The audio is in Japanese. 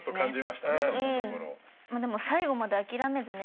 でも最後まで諦めずね。